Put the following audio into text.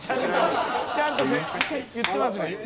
ちゃんと言ってますね。